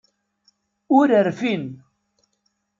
Ur rfin.